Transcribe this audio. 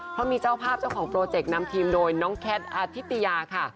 เพราะมีเจ้าภาพเจ้าของโปรเจกต์นำทีมโดยน้องแคทอธิตยาค่ะ